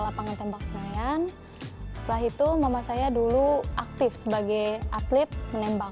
lapangan tembak senayan setelah itu mama saya dulu aktif sebagai atlet menembak